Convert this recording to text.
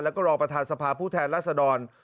แล้วก็รองประธานสภาผู้แทนรัศดร